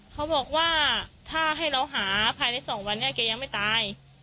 เขาบอกว่าถ้าให้เราหาภายใน๒วันนี้แกยังไม่ตาย